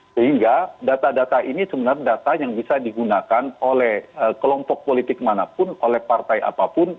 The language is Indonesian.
sehingga data data ini sebenarnya data yang bisa digunakan oleh kelompok politik manapun oleh partai apapun